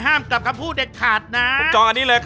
อ๋านจะด้วยว่าอยากได้